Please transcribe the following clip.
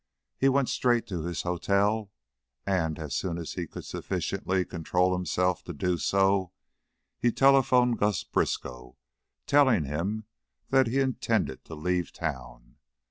He went straight to his hotel and, as soon as he could sufficiently control himself to do so, he telephoned Gus Briskow, telling him that he intended to leave town.